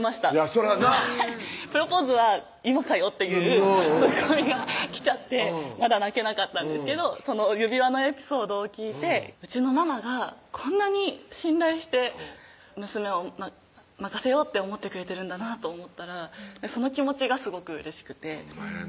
そらなっプロポーズは「今かよ」というツッコミが来ちゃってまだ泣けなかったんですけどその指輪のエピソードを聞いてうちのママがこんなに信頼して娘を任せようって思ってくれてるんだなと思ったらその気持ちがすごくうれしくてほんまやなぁ